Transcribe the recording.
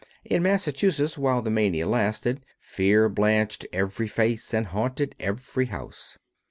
In Massachusetts, while the mania lasted, fear blanched every face and haunted every house.